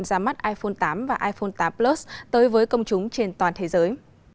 ra mắt iphone tám và iphone tám plus tới với công chúng trên toàn thế giới